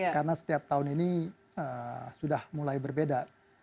karena setiap tahun ini sudah mulai berbeda